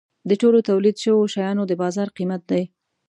د ټولو تولید شوو شیانو د بازار قیمت دی.